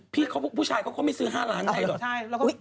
พี่เขาผู้ชายเขาก็ไม่ซื้อ๕ล้านได้หรอก